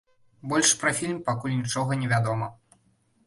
Больш пра фільм пакуль нічога не вядома.